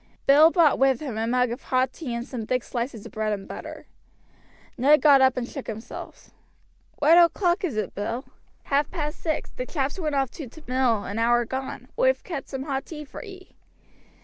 Bill brought with him a mug of hot tea and some thick slices of bread and butter. Ned got up and shook himself. "What o'clock is it, Bill?" "Half past six the chaps went off to t' mill an hour gone; oi've kept some tea hot for ee."